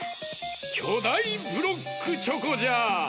きょだいブロックチョコじゃ！